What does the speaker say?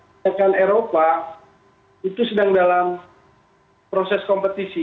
mereka bahkan eropa itu sedang dalam proses kompetisi